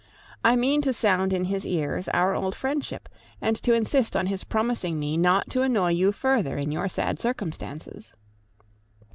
I mean to sound in his ears our old friendship, and to insist on his promising me not to annoy you further in your sad circumstances.